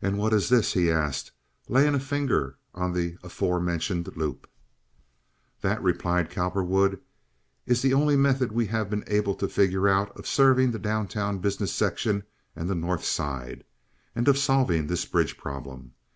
"And what is this?" he asked, laying a finger on the aforementioned loop. "That," replied Cowperwood, "is the only method we have been able to figure out of serving the down town business section and the North Side, and of solving this bridge problem.